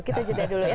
kita jeda dulu ya